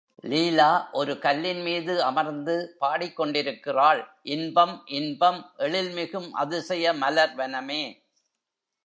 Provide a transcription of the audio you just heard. லீலா ஒரு கல்லின் மீது அமர்ந்து பாடிக் கொண்டிருக்கிறாள் இன்பம் இன்பம் எழில்மிகும் அதிசய மலர் வனமே!